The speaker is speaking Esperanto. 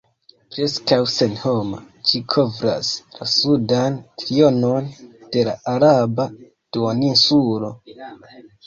Preskaŭ senhoma, ĝi kovras la sudan trionon de la Araba duoninsulo.